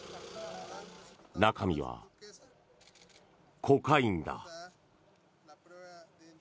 中身は、コカインだ。